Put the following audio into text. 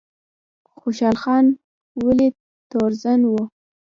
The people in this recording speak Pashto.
خوشحال خان ولې تورزن و؟